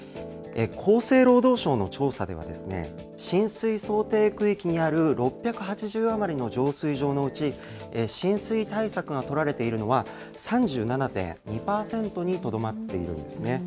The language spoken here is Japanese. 厚生労働省の調査では、浸水想定区域にある６８０余りの浄水場のうち、浸水対策が取られているのは３７．２％にとどまっているんですね。